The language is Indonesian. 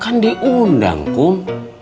kan diundang kum